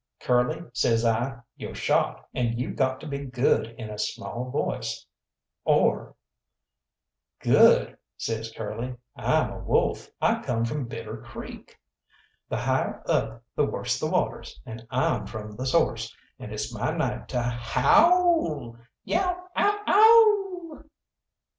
"Curly," says I, "you're shot, and you got to be good in a small voice, or " "Good," says Curly; "I'm a wolf. I come from Bitter Creek. The higher up, the worse the waters, and I'm from the source, and it's my night to how w l. Yow ow ow!"